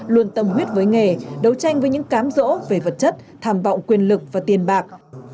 luôn tâm huyết với nghề đấu tranh với những cám rỗ về vật chất thảm vọng quyền lực và tiền bạc